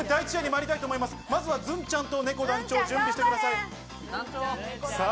まずはズンちゃんと、ねこ団長、準備してください。